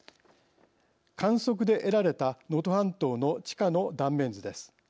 観測で得られた能登半島の地下の断面図です。